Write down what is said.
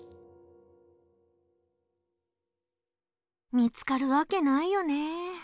見つかるわけないよね。